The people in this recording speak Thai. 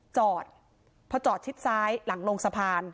จอดพอจอดชิดซ้ายหลังลงสะพาน